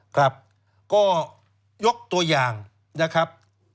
ครับก็ยกตัวอย่างนะครับ